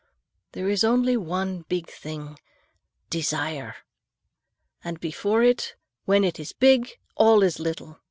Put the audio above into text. There is only one big thing—desire. And before it, when it is big, all is little.